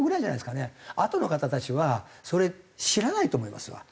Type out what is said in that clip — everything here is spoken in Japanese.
あとの方たちはそれ知らないと思いますわ。